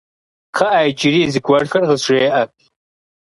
Кхъыӏэ, иджыри зыгуэрхэр къызжеӏэ.